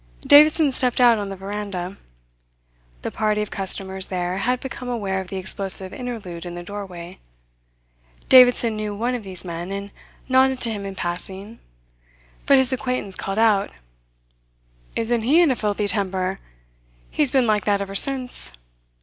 Davidson stepped out on the veranda. The party of customers there had become aware of the explosive interlude in the doorway. Davidson knew one of these men, and nodded to him in passing; but his acquaintance called out: "Isn't he in a filthy temper? He's been like that ever since."